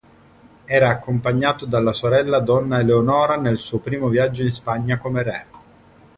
Era accompagnato dalla sorella donna Eleonora nel suo primo viaggio in Spagna come re.